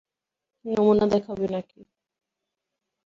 নমুনা দেখাবো নাকি?